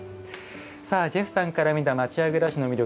ジェフさんから見た町家暮らしの魅力